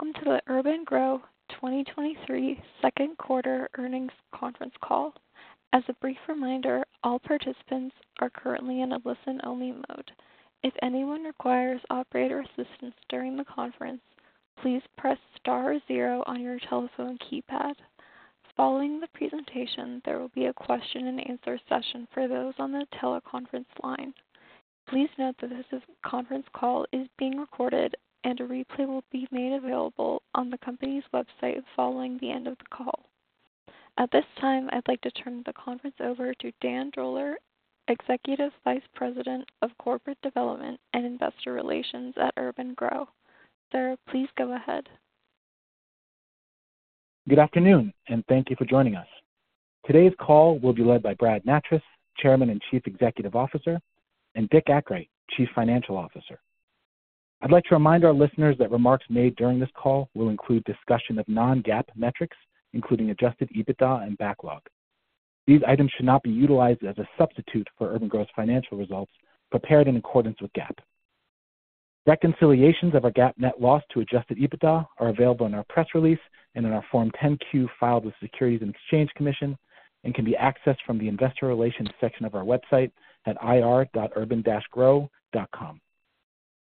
Hello, welcome to the urban-gro 2023 Second Quarter Earnings Conference Call. As a brief reminder, all participants are currently in a listen-only mode. If anyone requires operator assistance during the conference, please press star zero on your telephone keypad. Following the presentation, there will be a question and answer session for those on the teleconference line. Please note that this conference call is being recorded, and a replay will be made available on the company's website following the end of the call. At this time, I'd like to turn the conference over to Dan Droller, Executive Vice President of Corporate Development and Investor Relations at urban-gro. Sir, please go ahead. Good afternoon, and thank you for joining us. Today's call will be led by Brad Nattrass, Chairman and Chief Executive Officer, and Dick Akright, Chief Financial Officer. I'd like to remind our listeners that remarks made during this call will include discussion of non-GAAP metrics, including Adjusted EBITDA and backlog. These items should not be utilized as a substitute for urban-gro's financial results prepared in accordance with GAAP. Reconciliations of our GAAP net loss to Adjusted EBITDA are available in our press release and in our Form 10-Q filed with the Securities and Exchange Commission and can be accessed from the investor relations section of our website at ir.urban-gro.com.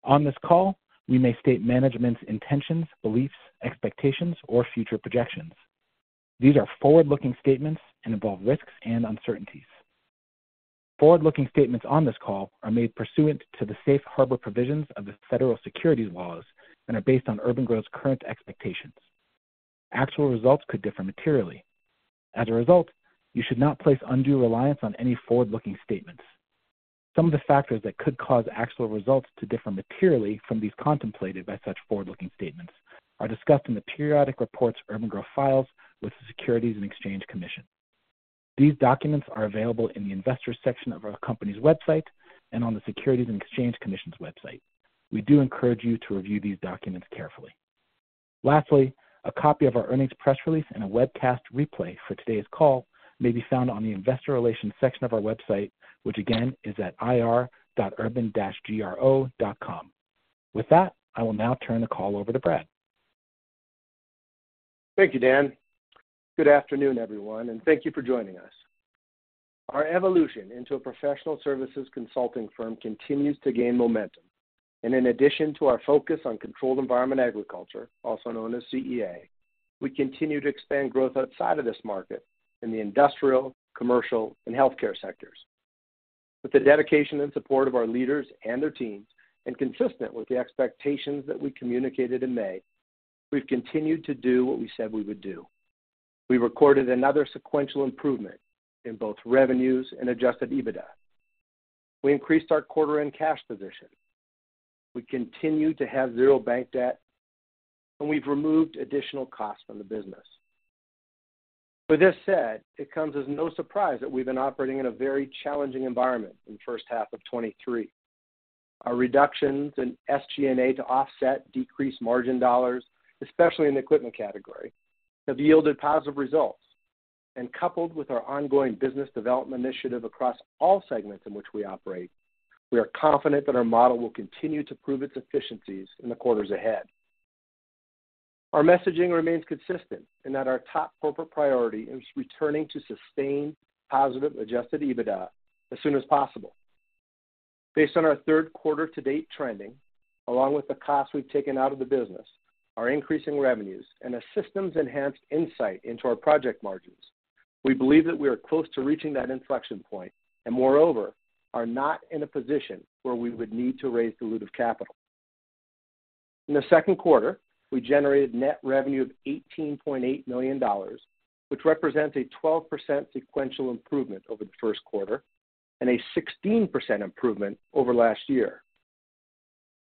On this call, we may state management's intentions, beliefs, expectations, or future projections. These are forward-looking statements and involve risks and uncertainties. Forward-looking statements on this call are made pursuant to the safe harbor provisions of the Federal securities laws and are based on urban-gro's current expectations. Actual results could differ materially. As a result, you should not place undue reliance on any forward-looking statements. Some of the factors that could cause actual results to differ materially from these contemplated by such forward-looking statements are discussed in the periodic reports urban-gro files with the Securities and Exchange Commission. These documents are available in the investors section of our company's website and on the Securities and Exchange Commission's website. We do encourage you to review these documents carefully. Lastly, a copy of our earnings press release and a webcast replay for today's call may be found on the investor relations section of our website, which again is at ir.urban-gro.com. With that, I will now turn the call over to Brad. Thank you, Dan. Good afternoon, everyone, thank you for joining us. Our evolution into a professional services consulting firm continues to gain momentum, in addition to our focus on controlled-environment agriculture, also known as CEA, we continue to expand growth outside of this market in the industrial, commercial, and healthcare sectors. With the dedication and support of our leaders and their teams, consistent with the expectations that we communicated in May, we've continued to do what we said we would do. We recorded another sequential improvement in both revenues and Adjusted EBITDA. We increased our quarter and cash position. We continue to have zero bank debt, we've removed additional costs from the business. With this said, it comes as no surprise that we've been operating in a very challenging environment in the first half of 2023. Our reductions in SG&A to offset decreased margin dollars, especially in the equipment category, have yielded positive results. Coupled with our ongoing business development initiative across all segments in which we operate, we are confident that our model will continue to prove its efficiencies in the quarters ahead. Our messaging remains consistent and that our top corporate priority is returning to sustained positive, Adjusted EBITDA as soon as possible. Based on our third quarter to date trending, along with the costs we've taken out of the business, our increasing revenues and a systems enhanced insight into our project margins, we believe that we are close to reaching that inflection point and moreover, are not in a position where we would need to raise dilutive capital. In the second quarter, we generated net revenue of $18.8 million, which represents a 12% sequential improvement over the first quarter and a 16% improvement over last year.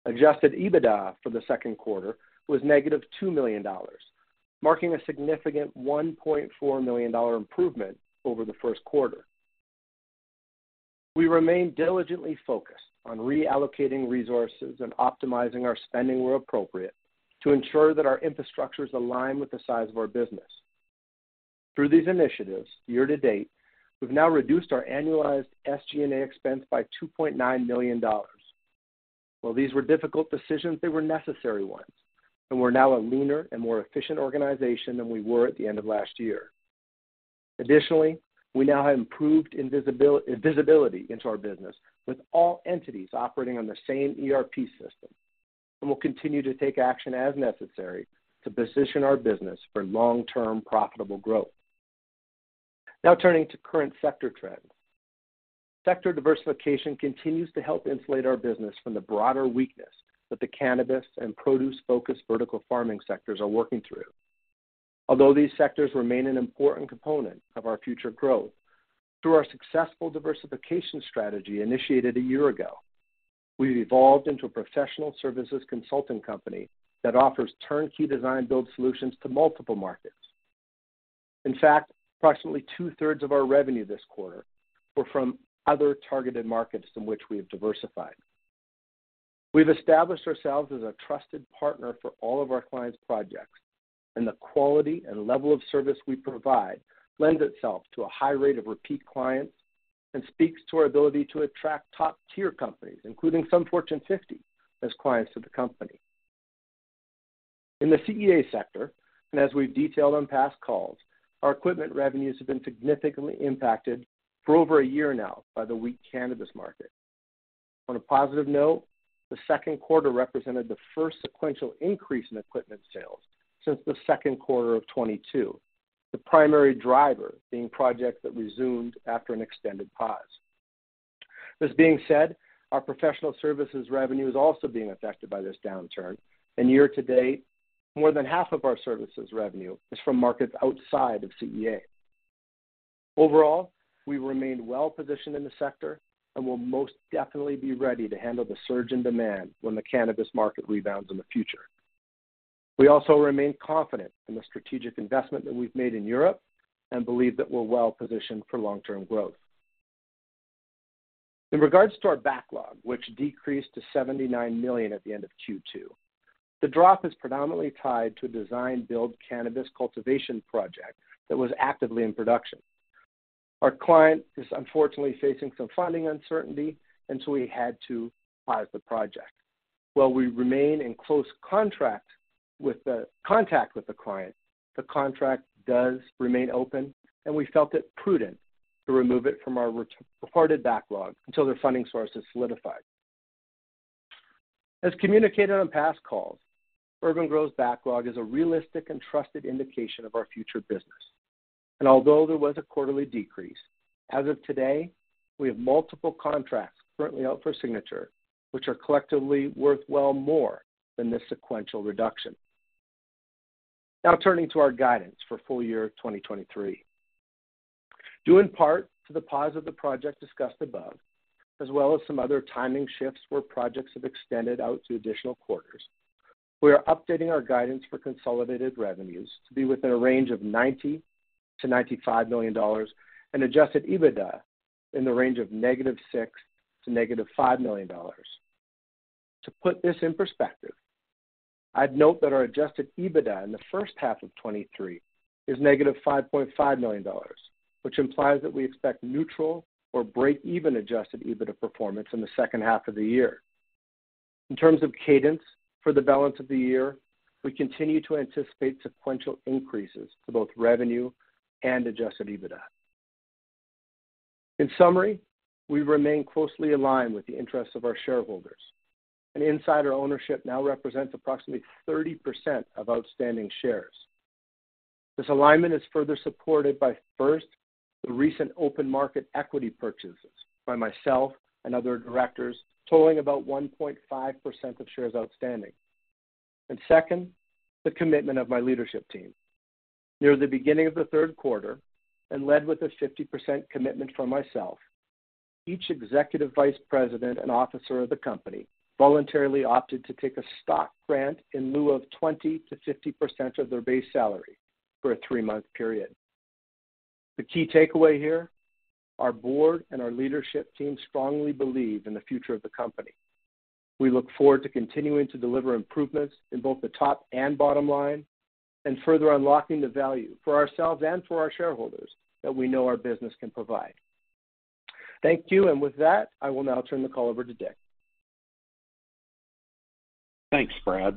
Adjusted EBITDA for the second quarter was negative $2 million, marking a significant $1.4 million improvement over the first quarter. We remain diligently focused on reallocating resources and optimizing our spending where appropriate, to ensure that our infrastructure is aligned with the size of our business. Through these initiatives, year to date, we've now reduced our annualized SG&A expense by $2.9 million. While these were difficult decisions, they were necessary ones, we're now a leaner and more efficient organization than we were at the end of last year. Additionally, we now have improved visibility into our business, with all entities operating on the same ERP system. We'll continue to take action as necessary to position our business for long-term, profitable growth. Now, turning to current sector trends. Sector diversification continues to help insulate our business from the broader weakness that the cannabis and produce-focused vertical farming sectors are working through. Although these sectors remain an important component of our future growth, through our successful diversification strategy initiated a year ago, we've evolved into a professional services consulting company that offers turnkey design build solutions to multiple markets. In fact, approximately 2/3 of our revenue this quarter were from other targeted markets in which we have diversified. We've established ourselves as a trusted partner for all of our clients' projects-... and the quality and level of service we provide lends itself to a high rate of repeat clients and speaks to our ability to attract top-tier companies, including some Fortune 50, as clients of the company. In the CEA sector, as we've detailed on past calls, our equipment revenues have been significantly impacted for over a year now by the weak cannabis market. On a positive note, the second quarter represented the first sequential increase in equipment sales since the second quarter of 2022, the primary driver being projects that resumed after an extended pause. This being said, our professional services revenue is also being affected by this downturn, year to date, more than half of our services revenue is from markets outside of CEA. Overall, we remain well positioned in the sector and will most definitely be ready to handle the surge in demand when the cannabis market rebounds in the future. We also remain confident in the strategic investment that we've made in Europe and believe that we're well positioned for long-term growth. In regards to our backlog, which decreased to $79 million at the end of Q2, the drop is predominantly tied to a design-build cannabis cultivation project that was actively in production. Our client is unfortunately facing some funding uncertainty, and so we had to pause the project. While we remain in close contact with the client, the contract does remain open, and we felt it prudent to remove it from our re-reported backlog until their funding source is solidified. As communicated on past calls, urban-gro, Inc.' backlog is a realistic and trusted indication of our future business. Although there was a quarterly decrease, as of today, we have multiple contracts currently out for signature, which are collectively worth well more than this sequential reduction. Now turning to our guidance for full year 2023. Due in part to the pause of the project discussed above, as well as some other timing shifts where projects have extended out to additional quarters, we are updating our guidance for consolidated revenues to be within a range of $90 million-$95 million and Adjusted EBITDA in the range of negative $6 million to negative $5 million. To put this in perspective, I'd note that our Adjusted EBITDA in the first half of 2023 is negative $5.5 million, which implies that we expect neutral or break-even Adjusted EBITDA performance in the second half of the year. In terms of cadence for the balance of the year, we continue to anticipate sequential increases to both revenue and Adjusted EBITDA. In summary, we remain closely aligned with the interests of our shareholders, and insider ownership now represents approximately 30% of outstanding shares. This alignment is further supported by, first, the recent open market equity purchases by myself and other directors, totaling about 1.5% of shares outstanding, and second, the commitment of my leadership team. Near the beginning of the third quarter, led with a 50% commitment from myself, each Executive Vice President and officer of the company voluntarily opted to take a stock grant in lieu of 20%-50% of their base salary for a three-month period. The key takeaway here, our board and our leadership team strongly believe in the future of the company. We look forward to continuing to deliver improvements in both the top and bottom line and further unlocking the value for ourselves and for our shareholders that we know our business can provide. Thank you. With that, I will now turn the call over to Dick. Thanks, Brad.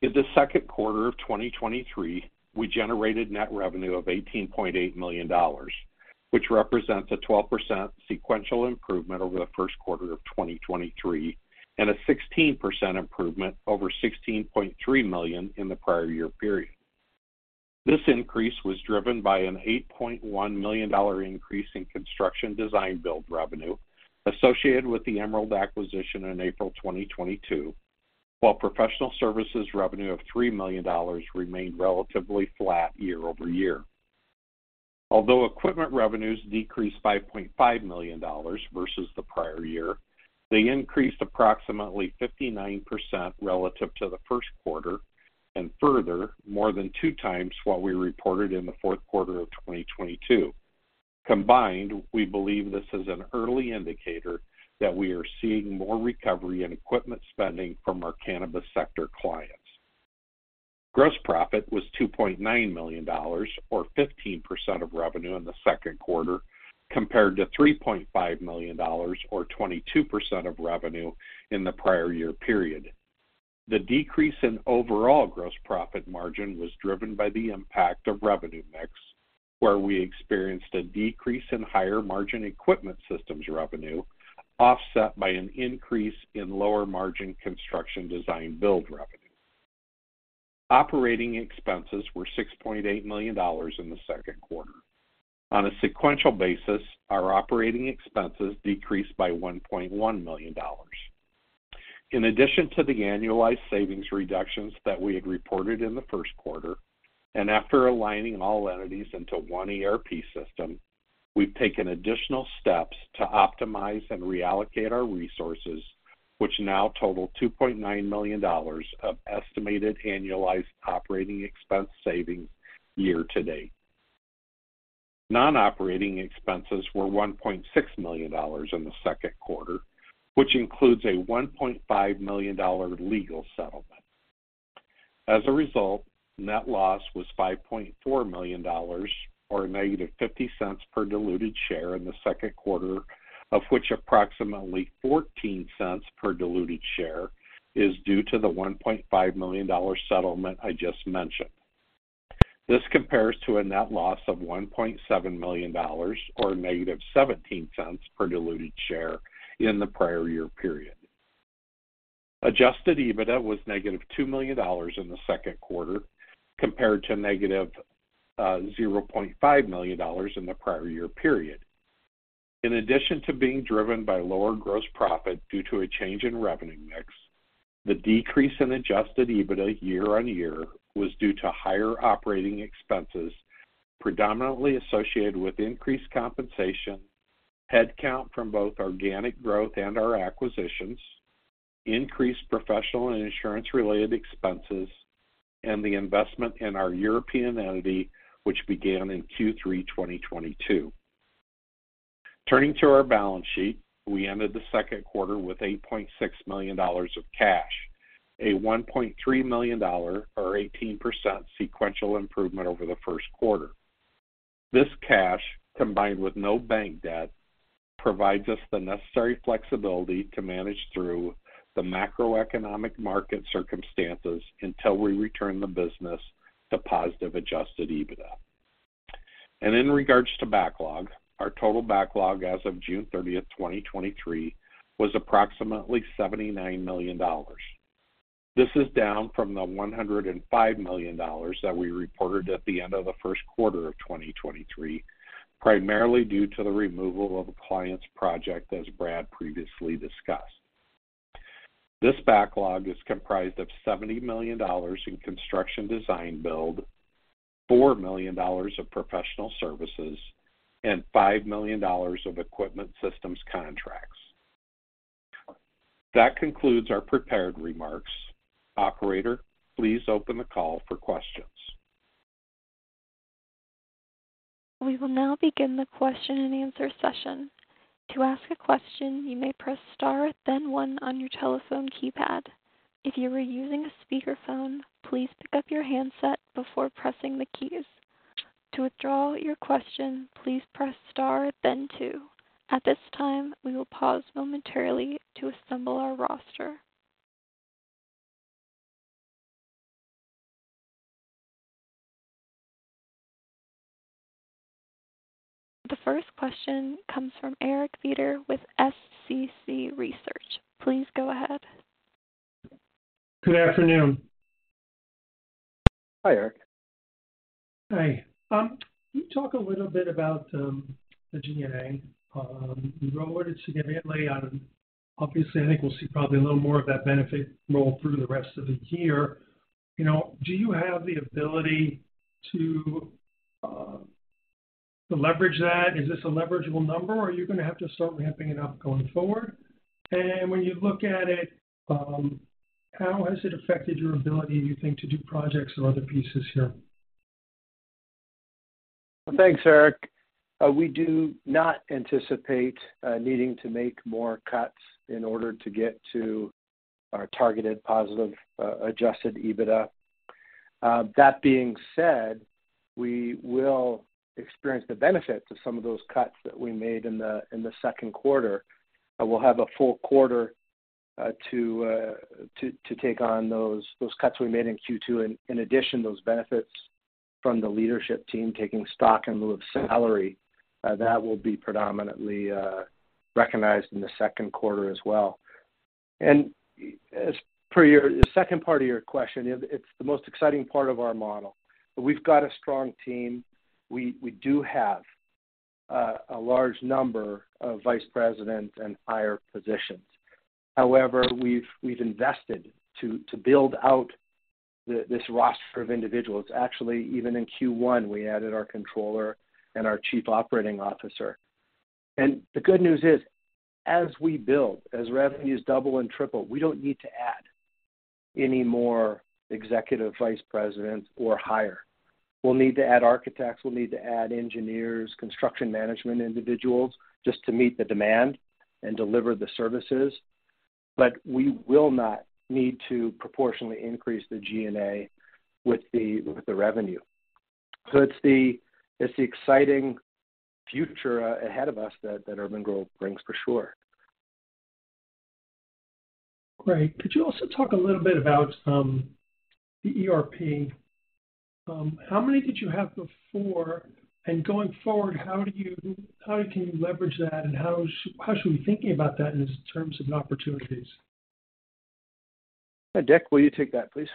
In the second quarter of 2023, we generated net revenue of $18.8 million, which represents a 12% sequential improvement over the first quarter of 2023 and a 16% improvement over $16.3 million in the prior year period. This increase was driven by an $8.1 million increase in construction design-build revenue associated with the Emerald acquisition in April 2022, while professional services revenue of $3 million remained relatively flat year-over-year. Although equipment revenues decreased by $0.5 million versus the prior year, they increased approximately 59% relative to the first quarter, and further, more than two times what we reported in the fourth quarter of 2022. Combined, we believe this is an early indicator that we are seeing more recovery in equipment spending from our cannabis sector clients. Gross profit was $2.9 million, or 15% of revenue in the second quarter, compared to $3.5 million, or 22% of revenue, in the prior year period. The decrease in overall gross profit margin was driven by the impact of revenue mix, where we experienced a decrease in higher-margin equipment systems revenue, offset by an increase in lower-margin construction design build revenue. Operating expenses were $6.8 million in the second quarter. On a sequential basis, our operating expenses decreased by $1.1 million. In addition to the annualized savings reductions that we had reported in the first quarter, and after aligning all entities into one ERP system, we've taken additional steps to optimize and reallocate our resources, which now total $2.9 million of estimated annualized operating expense savings year to date. Non-operating expenses were $1.6 million in the second quarter, which includes a $1.5 million legal settlement. As a result, net loss was $5.4 million, or a negative $0.50 per diluted share in the second quarter, of which approximately $0.14 per diluted share is due to the $1.5 million settlement I just mentioned. This compares to a net loss of $1.7 million, or negative $0.17 per diluted share in the prior year period. Adjusted EBITDA was negative $2 million in the second quarter, compared to negative $0.5 million in the prior year period. In addition to being driven by lower gross profit due to a change in revenue mix, the decrease in Adjusted EBITDA year-over-year was due to higher operating expenses, predominantly associated with increased compensation, headcount from both organic growth and our acquisitions, increased professional and insurance-related expenses, and the investment in our European entity, which began in Q3 2022. Turning to our balance sheet, we ended the second quarter with $8.6 million of cash, a $1.3 million or 18% sequential improvement over the first quarter. This cash, combined with no bank debt, provides us the necessary flexibility to manage through the macroeconomic market circumstances until we return the business to positive Adjusted EBITDA. In regards to backlog, our total backlog as of June 30, 2023, was approximately $79 million. This is down from the $105 million that we reported at the end of the first quarter of 2023, primarily due to the removal of a client's project, as Brad previously discussed. This backlog is comprised of $70 million in construction design build, $4 million of professional services, and $5 million of equipment systems contracts. That concludes our prepared remarks. Operator, please open the call for questions. We will now begin the question and answer session. To ask a question, you may press Star, then 1 on your telephone keypad. If you are using a speakerphone, please pick up your handset before pressing the keys. To withdraw your question, please press Star then 2. At this time, we will pause momentarily to assemble our roster. The first question comes from Eric Feder with SCC Research. Please go ahead. Good afternoon. Hi, Eric. Hi. Can you talk a little bit about the G&A? You lowered it significantly out of-- obviously, I think we'll see probably a little more of that benefit roll through the rest of the year. You know, do you have the ability to leverage that? Is this a leverageable number, or are you going to have to start ramping it up going forward? When you look at it, how has it affected your ability, do you think, to do projects or other pieces here? Thanks, Eric. We do not anticipate needing to make more cuts in order to get to our targeted positive Adjusted EBITDA. That being said, we will experience the benefits of some of those cuts that we made in the second quarter. We'll have a full quarter to take on those cuts we made in Q2. In addition, those benefits from the leadership team taking stock in lieu of salary, that will be predominantly recognized in the second quarter as well. As per your, the second part of your question, it's the most exciting part of our model. We've got a strong team. We do have a large number of vice presidents and higher positions. However, we've invested to build out the, this roster of individuals. Actually, even in Q1, we added our controller and our Chief Operating Officer. The good news is, as we build, as revenues double and triple, we don't need to add any more Executive Vice Presidents or higher. We'll need to add architects, we'll need to add engineers, construction management individuals, just to meet the demand and deliver the services, but we will not need to proportionally increase the G&A with the, with the revenue. It's the, it's the exciting future ahead of us that, that urban-gro brings for sure. Great. Could you also talk a little bit about the ERP? How many did you have before? Going forward, how can you leverage that, and how should, how should we be thinking about that in terms of opportunities? Dick, will you take that, please?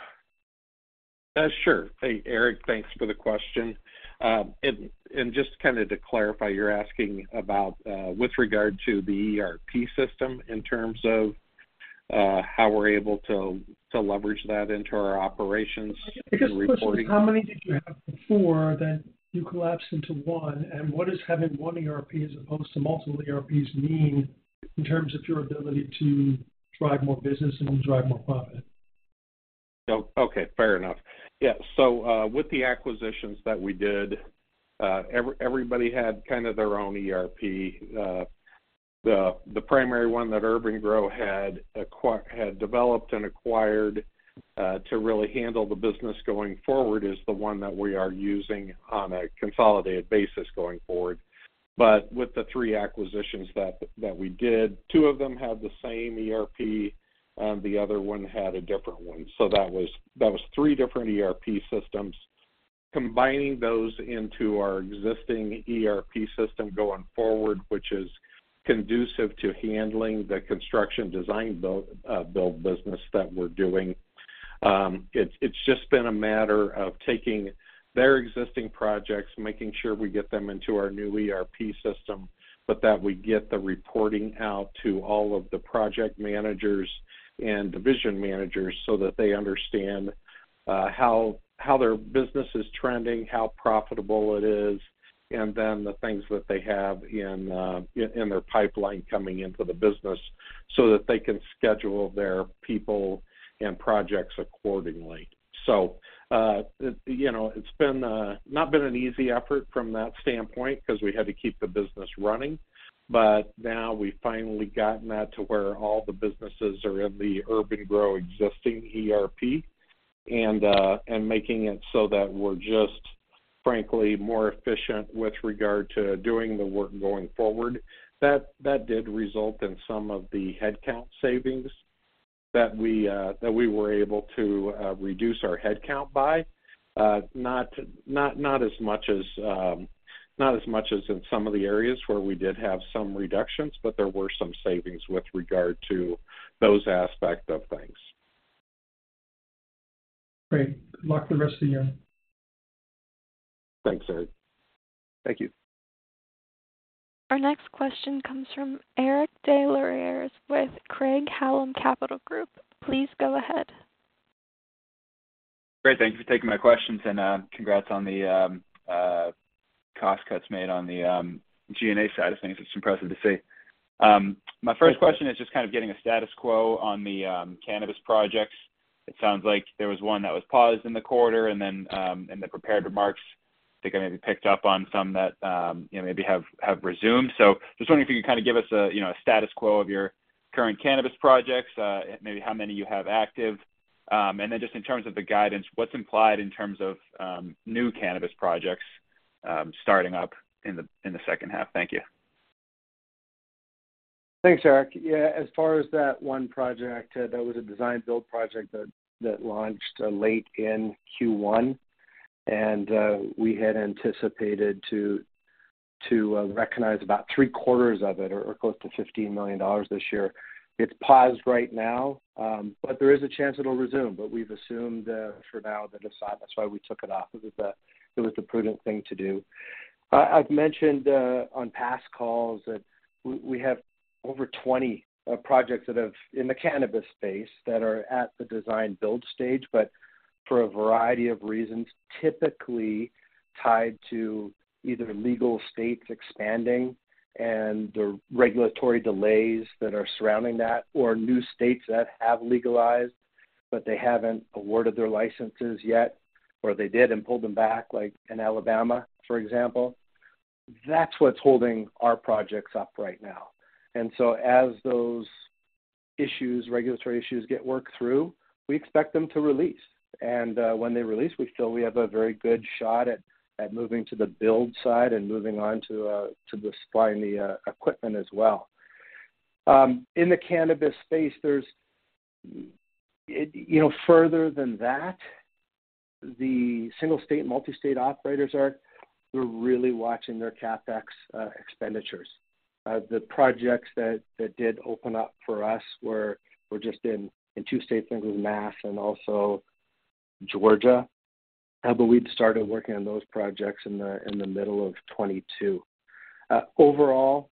Sure. Hey, Eric, thanks for the question. Just kind of to clarify, you're asking about, with regard to the ERP system in terms of, how we're able to leverage that into our operations and reporting? How many did you have before that you collapsed into 1? What does having 1 ERP as opposed to multiple ERPs mean in terms of your ability to drive more business and drive more profit? Okay, fair enough. With the acquisitions that we did, everybody had kind of their own ERP. The primary one that urban-gro had developed and acquired, to really handle the business going forward is the one that we are using on a consolidated basis going forward. With the three acquisitions that we did, two of them had the same ERP, and the other one had a different one. That was three different ERP systems. Combining those into our existing ERP system going forward, which is conducive to handling the construction design-build business that we're doing, it's, it's just been a matter of taking their existing projects, making sure we get them into our new ERP system, but that we get the reporting out to all of the project managers and division managers so that they understand, how their business is trending, how profitable it is, and then the things that they have in their pipeline coming into the business, so that they can schedule their people and projects accordingly. You know, it's been not been an easy effort from that standpoint, 'cause we had to keep the business running, but now we've finally gotten that to where all the businesses are in the urban-gro existing ERP, making it so that we're just, frankly, more efficient with regard to doing the work going forward. That did result in some of the headcount savings that we that we were able to reduce our headcount by. Not, not, not as much as not as much as in some of the areas where we did have some reductions, but there were some savings with regard to those aspects of things. Great. Good luck with the rest of the year. Thanks, Eric. Thank you. Our next question comes from Eric Des Lauriers, with Craig-Hallum Capital Group. Please go ahead. Great, thank you for taking my questions, and congrats on the cost cuts made on the G&A side of things. It's impressive to see. My first question is just kind of getting a status quo on the cannabis projects. It sounds like there was one that was paused in the quarter, and then in the prepared remarks, I think I maybe picked up on some that, you know, maybe have, have resumed. Just wondering if you could kind of give us a, you know, a status quo of your current cannabis projects, maybe how many you have active? Then just in terms of the guidance, what's implied in terms of new cannabis projects, starting up in the, in the second half? Thank you. Thanks, Eric. Yeah, as far as that one project, that was a design-build project that launched late in Q1, and we had anticipated to recognize about three-quarters of it or close to $15 million this year. It's paused right now, but there is a chance it'll resume, but we've assumed for now that it's not. That's why we took it off. It was the prudent thing to do. I've mentioned on past calls that we have over 20 projects that have... In the cannabis space, that are at the design-build stage, but for a variety of reasons, typically tied to either legal states expanding and the regulatory delays that are surrounding that, or new states that have legalized, but they haven't awarded their licenses yet, or they did and pulled them back, like in Alabama, for example. That's what's holding our projects up right now. So as those issues, regulatory issues, get worked through, we expect them to release. When they release, we feel we have a very good shot at, at moving to the build side and moving on to supplying the equipment as well. In the cannabis space, there's, you know, further than that, the single-state and multi-state operators are, they're really watching their CapEx expenditures. The projects that, that did open up for us were, were just in, in two states. I think it was Mass and also Georgia, but we'd started working on those projects in the, in the middle of 2022. Overall,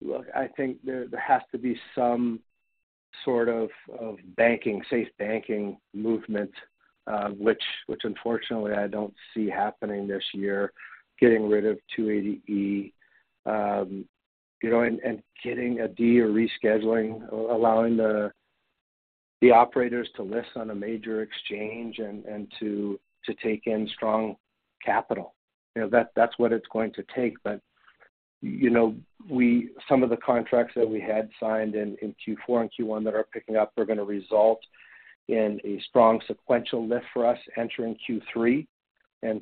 look, I think there has to be some sort of banking, SAFE Banking movement, which, which unfortunately I don't see happening this year, getting rid of 280E, you know, and, and getting a D or rescheduling, allowing the, the operators to list on a major exchange and, and to, to take in strong capital. You know, that, that's what it's going to take. You know, some of the contracts that we had signed in, in Q4 and Q1 that are picking up are going to result in a strong sequential lift for us entering Q3.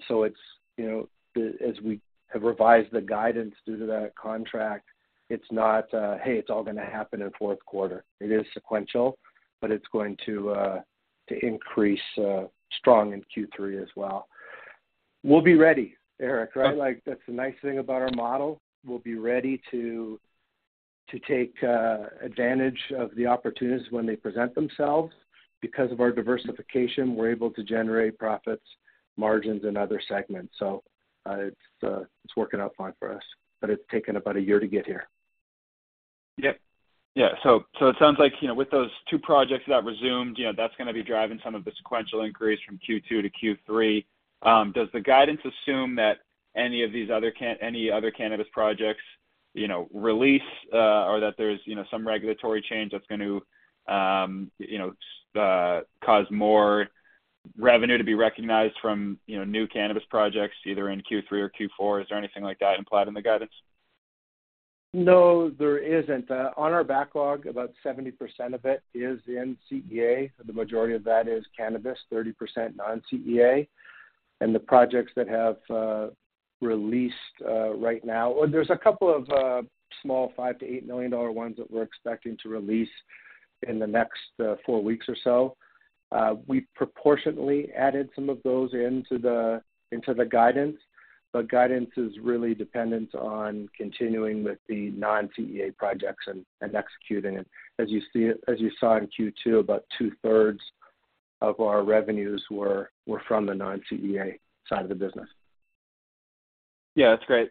So it's, you know, as we have revised the guidance due to that contract, it's not, hey, it's all going to happen in fourth quarter. It is sequential, but it's going to increase strong in Q3 as well. We'll be ready, Eric, right? Like, that's the nice thing about our model. We'll be ready to take advantage of the opportunities when they present themselves. Because of our diversification, we're able to generate profits, margins in other segments. It's working out fine for us, but it's taken about a year to get here. Yep. Yeah, so, so it sounds like, you know, with those two projects that resumed, you know, that's going to be driving some of the sequential increase from Q2 to Q3. Does the guidance assume that any of these other any other cannabis projects you know, release, or that there's, you know, some regulatory change that's going to, you know, cause more revenue to be recognized from, you know, new cannabis projects either in Q3 or Q4? Is there anything like that implied in the guidance? No, there isn't. On our backlog, about 70% of it is in CEA. The majority of that is cannabis, 30% non-CEA. The projects that have released right now. Well, there's a couple of small $5 million-$8 million ones that we're expecting to release in the next four weeks or so. We proportionately added some of those into the guidance. Guidance is really dependent on continuing with the non-CEA projects and executing it. As you see, as you saw in Q2, about two-thirds of our revenues were from the non-CEA side of the business. Yeah, that's great.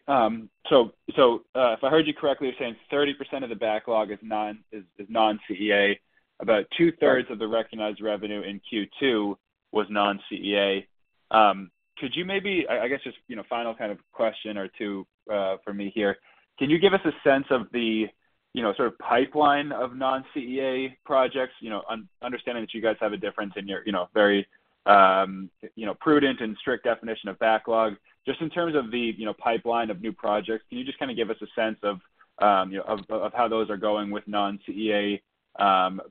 So, so, if I heard you correctly, you're saying 30% of the backlog is non, is, is non-CEA. About two-thirds of the recognized revenue in Q2 was non-CEA. Could you maybe... I, I guess just, you know, final kind of question or two for me here. Can you give us a sense of the, you know, sort of pipeline of non-CEA projects? You know, understanding that you guys have a difference in your, you know, very, you know, prudent and strict definition of backlog. Just in terms of the, you know, pipeline of new projects, can you just kind of give us a sense of, you know, of, of how those are going with non-CEA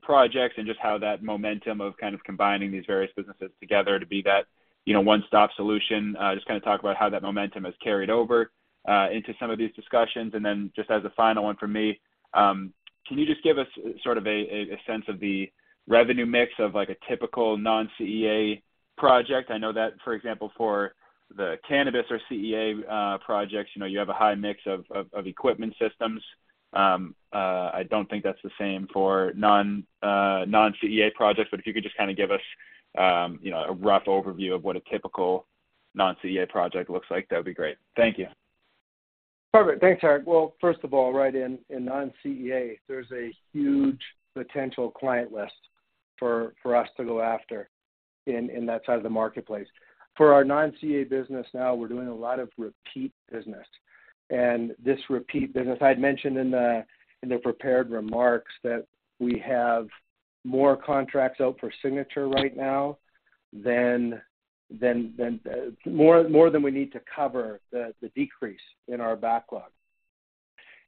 projects, and just how that momentum of kind of combining these various businesses together to be that, you know, one-stop solution? Just kind of talk about how that momentum has carried over into some of these discussions. Then, just as a final one from me, can you just give us sort of a, a sense of the revenue mix of, like, a typical non-CEA project? I know that, for example, for the cannabis or CEA projects, you know, you have a high mix of, of, of equipment systems. I don't think that's the same for non non-CEA projects, but if you could just kind of give us, you know, a rough overview of what a typical non-CEA project looks like, that would be great. Thank you. Perfect. Thanks, Eric. Well, first of all, right, in, in non-CEA, there's a huge potential client list for, for us to go after in, in that side of the marketplace. For our non-CEA business now, we're doing a lot of repeat business, and this repeat business, I had mentioned in the, in the prepared remarks that we have more contracts out for signature right now than more than we need to cover the decrease in our backlog.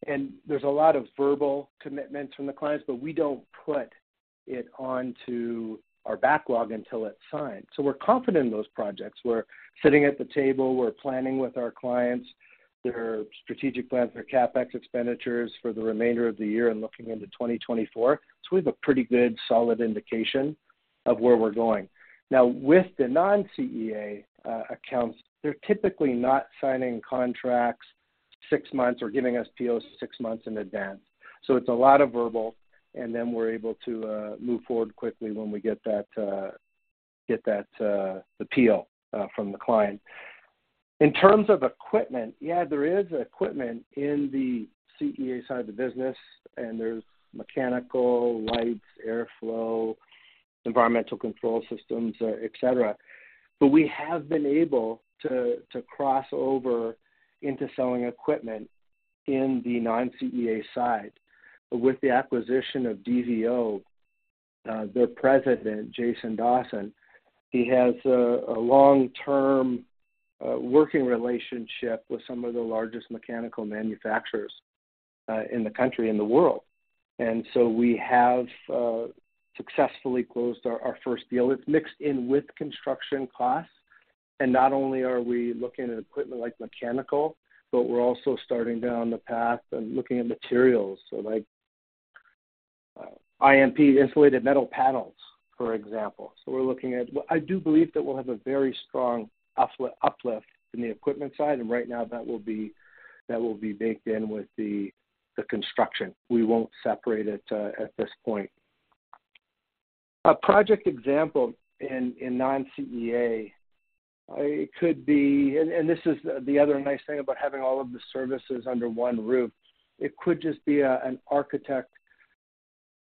There's a lot of verbal commitments from the clients, but we don't put it onto our backlog until it's signed. We're confident in those projects. We're sitting at the table, we're planning with our clients, their strategic plans, their CapEx expenditures for the remainder of the year and looking into 2024. We have a pretty good solid indication of where we're going. Now, with the non-CEA accounts, they're typically not signing contracts six months or giving us POs six months in advance. It's a lot of verbal, and then we're able to move forward quickly when we get that the PO from the client. In terms of equipment, yeah, there is equipment in the CEA side of the business, and there's mechanical, lights, airflow, environmental control systems, etc. We have been able to cross over into selling equipment in the non-CEA side. With the acquisition of DVO, their President, Jason Dawson, he has a long-term working relationship with some of the largest mechanical manufacturers in the country, in the world. We have successfully closed our first deal. It's mixed in with construction costs, and not only are we looking at equipment like mechanical, but we're also starting down the path and looking at materials. Like, IMP, insulated metal panels, for example. We're looking at... Well, I do believe that we'll have a very strong uplift, uplift in the equipment side, and right now that will be, that will be baked in with the, the construction. We won't separate it at this point. A project example in non-CEA, it could be... This is the other nice thing about having all of the services under one roof. It could just be an architect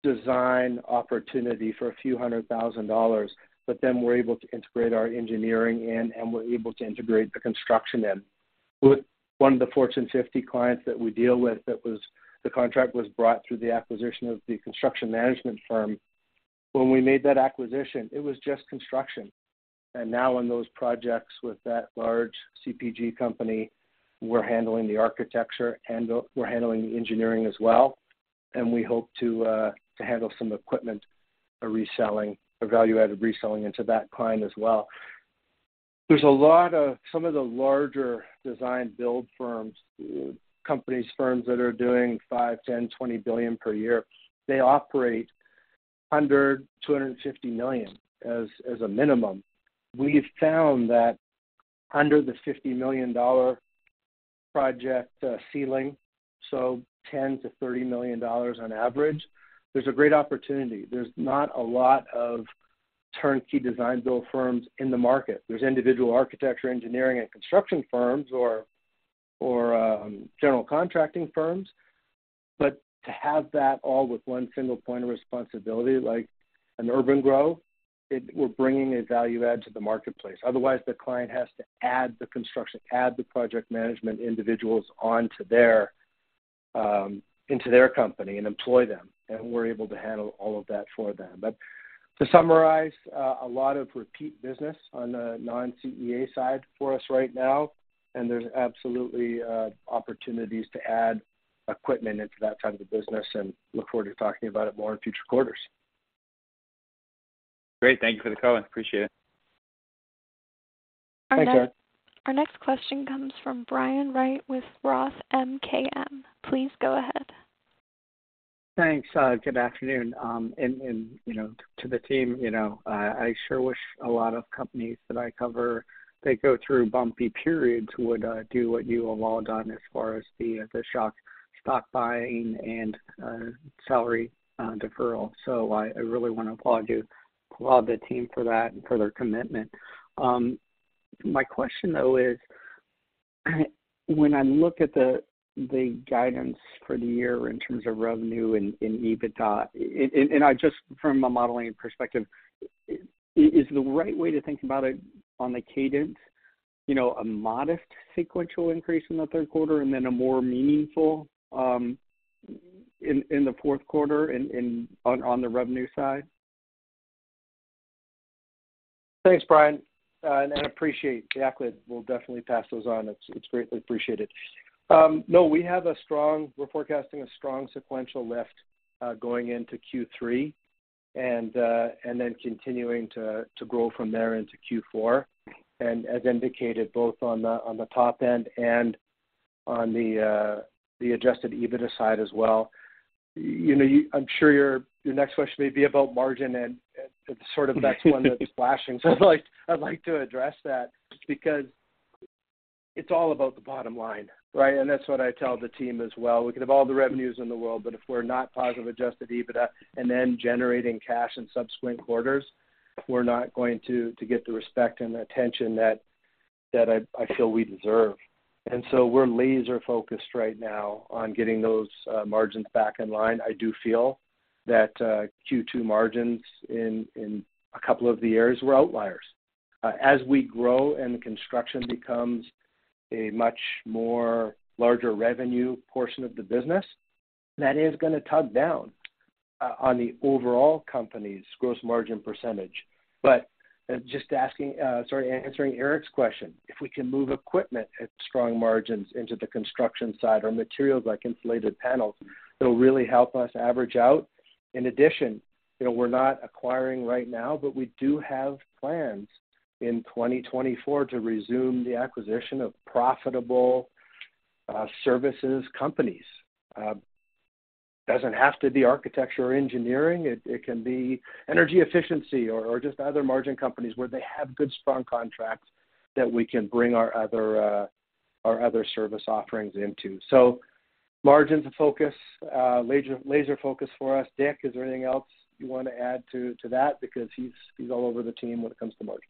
design opportunity for a few hundred thousand dollars, but then we're able to integrate our engineering in, and we're able to integrate the construction in. With one of the Fortune 50 clients that we deal with, that was the contract was brought through the acquisition of the construction management firm. When we made that acquisition, it was just construction. Now in those projects with that large CPG company, we're handling the architecture, we're handling the engineering as well, and we hope to to handle some equipment, a reselling, a value-added reselling into that client as well. There's a lot of some of the larger design build firms, companies, firms that are doing $5 billion, $10 billion, $20 billion per year. They operate under $250 million as a minimum. We've found that under the $50 million project ceiling, so $10 million-$30 million on average, there's a great opportunity. There's not a lot of turnkey design build firms in the market. There's individual architecture, engineering, and construction firms or, or, general contracting firms. To have that all with one single point of responsibility, like an urban-gro, we're bringing a value add to the marketplace. Otherwise, the client has to add the construction, add the project management individuals onto their into their company and employ them, and we're able to handle all of that for them. To summarize, a lot of repeat business on the non-CEA side for us right now, and there's absolutely opportunities to add equipment into that type of business, and look forward to talking about it more in future quarters. Great. Thank you for the call. I appreciate it. Thanks, Eric. Our next question comes from Brian Wright with Roth MKM. Please go ahead. Thanks. Good afternoon. And, you know, to, to the team, you know, I sure wish a lot of companies that I cover, they go through bumpy periods, would do what you have all done as far as the, the shock stock buying and salary deferral. I, I really want to applaud you, applaud the team for that and for their commitment. My question, though, is, when I look at the, the guidance for the year in terms of revenue and EBITDA, I just from a modeling perspective, is the right way to think about it on the cadence, you know, a modest sequential increase in the third quarter and then a more meaningful in, in the fourth quarter in, in, on, on the revenue side? Thanks, Brian, and I appreciate. Jack, we'll definitely pass those on. It's, it's greatly appreciated. No, we have a strong -- we're forecasting a strong sequential lift, going into Q3, and then continuing to, to grow from there into Q4. As indicated, both on the, on the top end and on the Adjusted EBITDA side as well. You know, I'm sure your next question may be about margin, and sort of that's one that's flashing. I'd like, I'd like to address that because it's all about the bottom line, right? That's what I tell the team as well. We could have all the revenues in the world, but if we're not positive Adjusted EBITDA and then generating cash in subsequent quarters, we're not going to, to get the respect and attention that, that I, I feel we deserve. We're laser-focused right now on getting those margins back in line. I do feel that Q2 margins in a couple of the areas were outliers. As we grow and the construction becomes a much more larger revenue portion of the business, that is gonna tug down on the overall company's gross margin percentage. Just asking, sorry, answering Eric's question, if we can move equipment at strong margins into the construction side or materials like insulated panels, it'll really help us average out. In addition, you know, we're not acquiring right now, but we do have plans in 2024 to resume the acquisition of profitable services companies. Doesn't have to be architecture or engineering. It, it can be energy efficiency or, or just other margin companies where they have good, strong contracts that we can bring our other, our other service offerings into. Margins of focus, laser, laser focus for us. Dick, is there anything else you want to add to, to that? Because he's, he's all over the team when it comes to margin.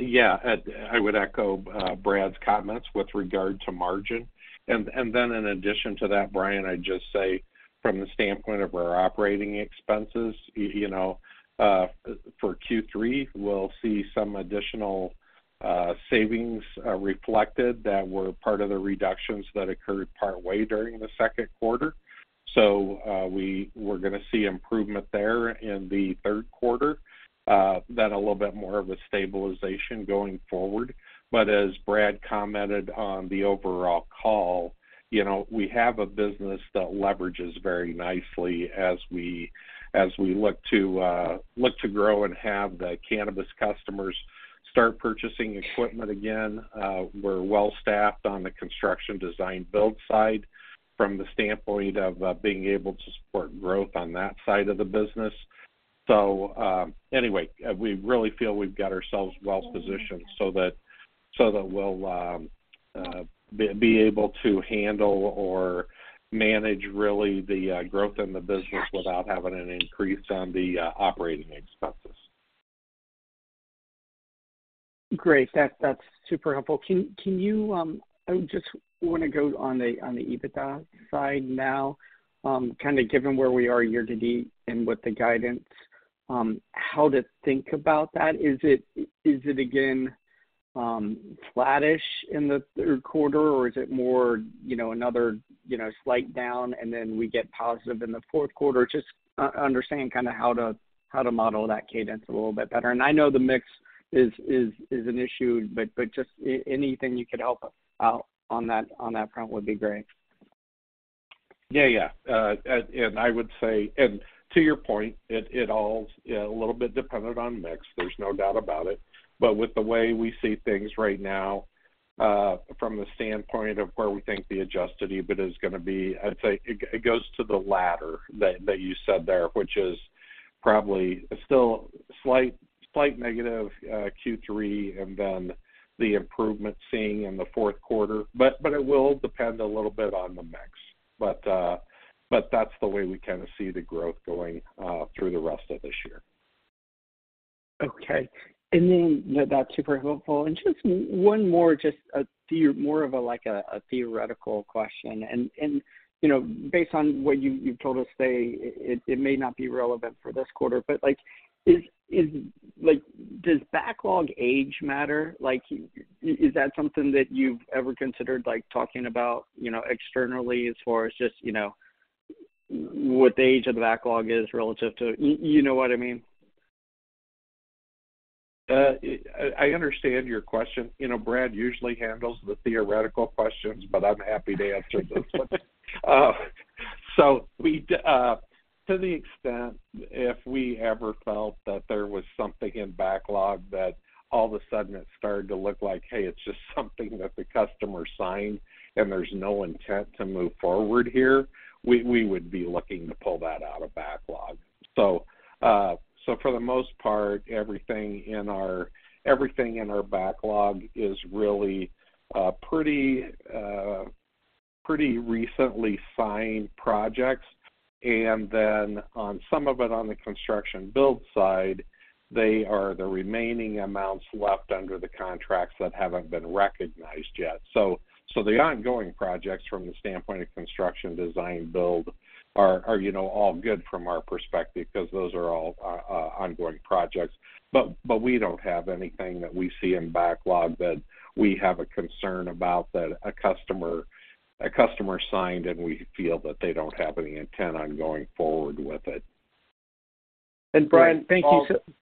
Yeah, I would echo Brad's comments with regard to margin. Then in addition to that, Brian, I'd just say from the standpoint of our operating expenses, you know, for Q3, we'll see some additional savings reflected that were part of the reductions that occurred partway during the second quarter. We're gonna see improvement there in the third quarter, then a little bit more of a stabilization going forward. As Brad commented on the overall call, you know, we have a business that leverages very nicely as we, as we look to, look to grow and have the cannabis customers start purchasing equipment again. We're well staffed on the construction design-build side from the standpoint of being able to support growth on that side of the business. Anyway, we really feel we've got ourselves well positioned so that, so that we'll be able to handle or manage really the growth in the business without having an increase on the operating expenses. Great. That's, that's super helpful. Can, can you, I just want to go on the, on the EBITDA side now? Kind of given where we are year to date and with the guidance, how to think about that? Is it, is it again, flattish in the third quarter, or is it more, you know, another, you know, slight down, and then we get positive in the fourth quarter? Just understanding kind of how to, how to model that cadence a little bit better. I know the mix is, is, is an issue, but, but just anything you could help us out on that, on that front would be great. Yeah, yeah. I would say, and to your point, it all, a little bit dependent on mix, there's no doubt about it. With the way we see things right now, from the standpoint of where we think the Adjusted EBITDA is gonna be, I'd say it goes to the latter that you said there, which is probably still slight, slight negative, Q3, and then the improvement seeing in the fourth quarter. It will depend a little bit on the mix. That's the way we kind of see the growth going, through the rest of this year. Okay. That's super helpful. Just one more, just a more of a, like, a theoretical question, and, you know, based on what you've told us today, it may not be relevant for this quarter, but, like, is, like, does backlog age matter? Like, is that something that you've ever considered, like, talking about, you know, externally as far as just, you know, what the age of the backlog is relative to? You, you know what I mean? I, I understand your question. You know, Brad usually handles the theoretical questions, but I'm happy to answer this one. We to the extent, if we ever felt that there was something in backlog that all of a sudden it started to look like, hey, it's just something that the customer signed and there's no intent to move forward here, we, we would be looking to pull that out of backlog. So for the most part, everything in our, everything in our backlog is really, pretty, pretty recently signed projects. Then on some of it, on the construction build side, they are the remaining amounts left under the contracts that haven't been recognized yet. The ongoing projects from the standpoint of construction, design, build, are, are, you know, all good from our perspective, because those are all ongoing projects. We don't have anything that we see in backlog that we have a concern about that a customer, a customer signed, and we feel that they don't have any intent on going forward with it. Thank you. Brian,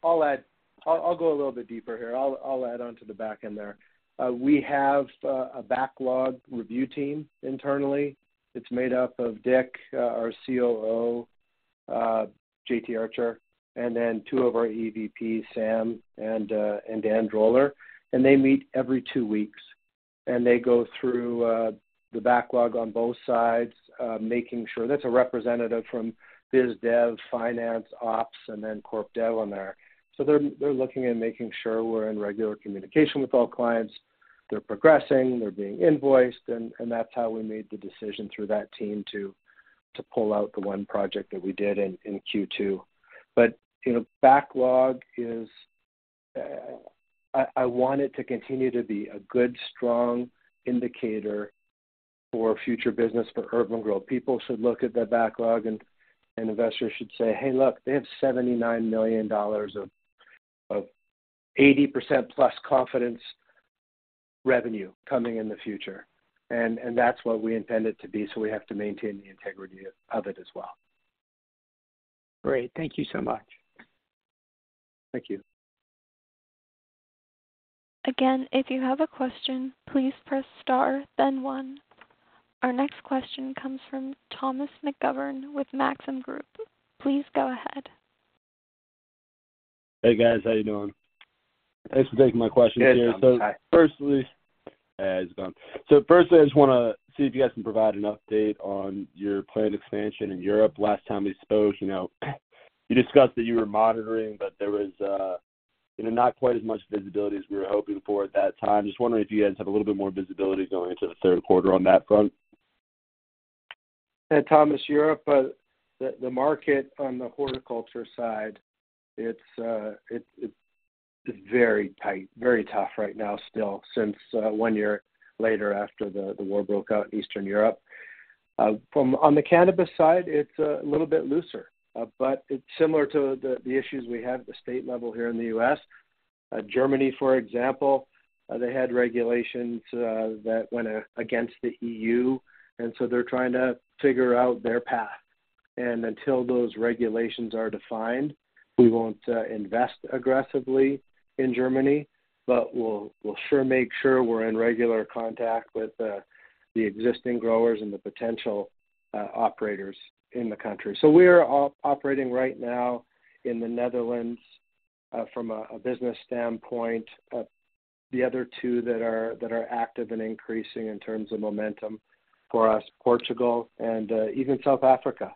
I'll add. I'll go a little bit deeper here. I'll add on to the back end there. We have a backlog review team internally. It's made up of Dick, our COO, JT Archer, and then two of our EVPs, Sam and Dan Droller. They meet every two weeks, and they go through the backlog on both sides, making sure. There's a representative from biz dev, finance, ops, and then corp dev on there. They're looking at making sure we're in regular communication with all clients, they're progressing, they're being invoiced, and that's how we made the decision through that team to pull out the one project that we did in Q2. You know, backlog is, I, I want it to continue to be a good, strong indicator for future business for urban-gro. People should look at the backlog and, and investors should say, "Hey, look, they have $79 million of, of 80% plus confidence revenue coming in the future." That's what we intend it to be, so we have to maintain the integrity of, of it as well. Great. Thank you so much. Thank you. Again, if you have a question, please press Star, then One. Our next question comes from Thomas McGovern with Maxim Group. Please go ahead. Hey, guys. How you doing? Thanks for taking my questions here. Hey, Thomas. Hi. How's it going? Firstly, I just wanna see if you guys can provide an update on your planned expansion in Europe. Last time we spoke, you know, you discussed that you were monitoring, but there was, you know, not quite as much visibility as we were hoping for at that time. Just wondering if you guys have a little bit more visibility going into the third quarter on that front. Hey, Thomas, Europe, the market on the horticulture side, it's, it's, it's very tight, very tough right now still, since one year later after the war broke out in Eastern Europe. On the cannabis side, it's a little bit looser, but it's similar to the issues we have at the state level here in the U.S. Germany, for example, they had regulations that went against the E.U., so they're trying to figure out their path. Until those regulations are defined, we won't invest aggressively in Germany, but we'll sure make sure we're in regular contact with the existing growers and the potential operators in the country. We are operating right now in the Netherlands from a business standpoint. The other two that are, that are active and increasing in terms of momentum for us, Portugal and even South Africa.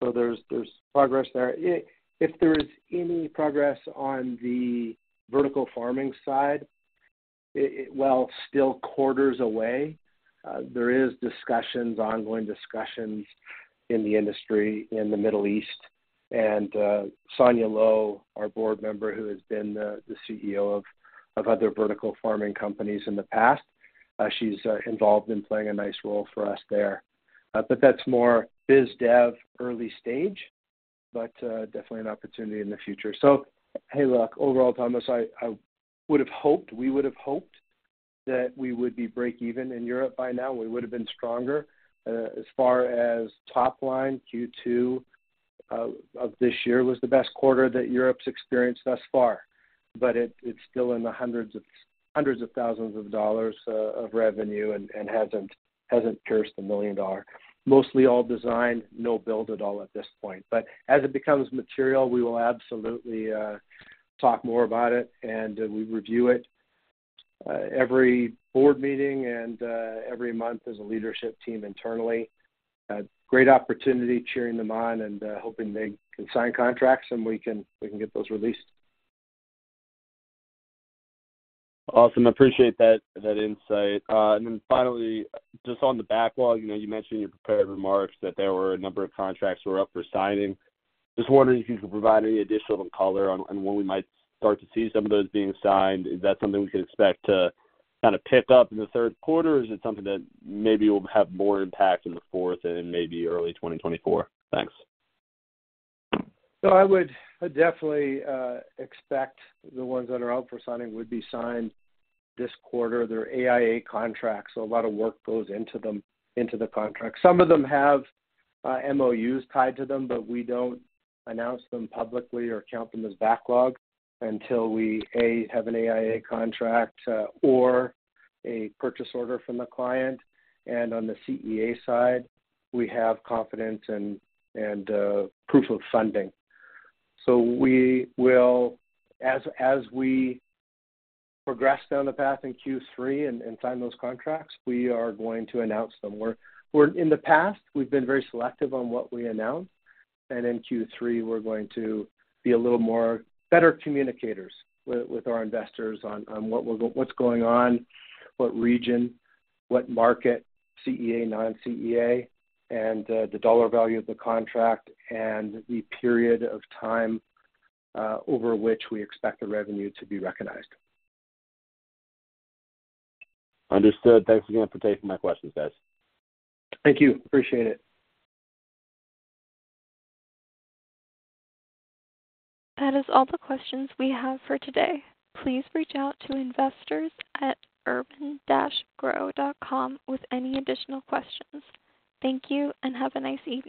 There's, there's progress there. If, if there is any progress on the vertical farming side, it, it, while still quarters away, there is discussions, ongoing discussions in the industry in the Middle East. Sonia Lo, our board member, who has been the CEO of other vertical farming companies in the past, she's involved in playing a nice role for us there. But that's more biz dev, early stage, but definitely an opportunity in the future. Hey, look, overall, Thomas, I, I would have hoped, we would have hoped that we would be break even in Europe by now. We would have been stronger. As far as top line, Q2 of this year was the best quarter that Europe's experienced thus far, but it's still in the hundreds of thousands of dollars of revenue and, and hasn't, hasn't pierced $1 million. Mostly all design, no build at all at this point. As it becomes material, we will absolutely talk more about it, and we review it every board meeting and every month as a leadership team internally. Great opportunity, cheering them on and hoping they can sign contracts and we can, we can get those released. Awesome. I appreciate that, that insight. Then finally, just on the backlog, you know, you mentioned in your prepared remarks that there were a number of contracts were up for signing. Just wondering if you could provide any additional color on, on when we might start to see some of those being signed. Is that something we could expect to kind of pick up in the third quarter, or is it something that maybe will have more impact in the fourth and maybe early 2024? Thanks. I would definitely expect the ones that are out for signing would be signed this quarter. They're AIA contracts, so a lot of work goes into them, into the contract. Some of them have MOUs tied to them, but we don't announce them publicly or count them as backlog until we, A, have an AIA contract or a purchase order from the client. On the CEA side, we have confidence and, and proof of funding. We will, as, as we progress down the path in Q3 and, and sign those contracts, we are going to announce them. In the past, we've been very selective on what we announce, and in Q3, we're going to be a little more better communicators with, with our investors on, on what's going on, what region, what market, CEA, non-CEA, and the dollar value of the contract and the period of time over which we expect the revenue to be recognized. Understood. Thanks again for taking my questions, guys. Thank you. Appreciate it. That is all the questions we have for today. Please reach out to investors at urban-gro.com with any additional questions. Thank you. Have a nice evening.